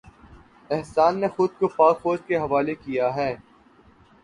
احسان نے خود کو پاک فوج کے حوالے کیا ہے